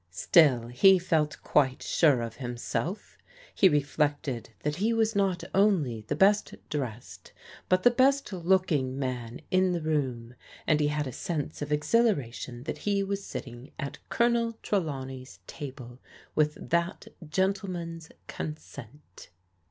Still he felt quite sure of himself. He reflected that he was not only the best dressed^ but the best looking man in the Tootn, and he had a sense of exhilaration that he was sitting at Colonel Trelawney's table with that gentlen:ian's consent.